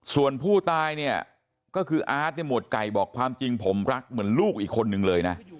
ส่วนผู้ตายเนี่ยก็คืออาร์ตเนี่ยหมวดไก่บอกความจริงผมรักเหมือนลูกอีกคนนึงเลยนะ